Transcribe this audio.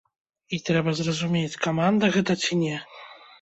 І трэба зразумець, каманда гэта ці не.